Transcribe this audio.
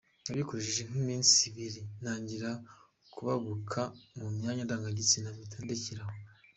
Nabikoresheje nk’iminsi ibiri ntangira kubabuka mu myanya ndangagitsina, mpita ndekera aho.